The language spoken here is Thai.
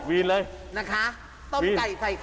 พี่บอกว่าบ้านทุกคนในที่นี่